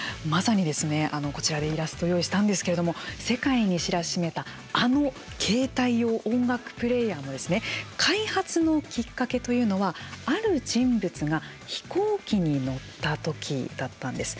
こちらでイラストを用意したんですけれども世界に知らしめたあの携帯用音楽プレーヤーも開発のきっかけというのはある人物が飛行機に乗った時だったんです。